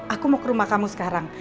aku mau ke rumah kamu sekarang